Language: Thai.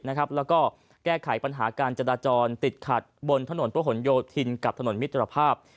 แล้วก็แก้ไขปัญหาการจราจรติดขัดบนถนนพระหลโยธินกับถนนมิตรภาพ